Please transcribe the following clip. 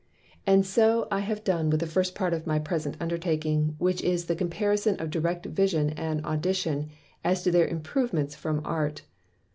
And so I have done with the first part of my present undertaking, which is the Comparison of Direct Vision and Audition, as to their Improvements from Art.